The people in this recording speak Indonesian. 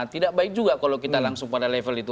tidak baik juga kalau kita langsung pada level itu